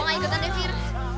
lo gak ikutan deh fir